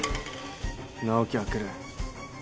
直樹は来る。